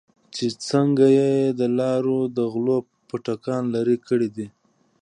چې څنگه يې د لارو د غلو پاټکان لرې کړې دي.